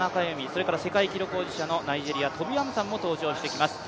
それから世界記録保持者のナイジェリアトビ・アムサンも登場してきます。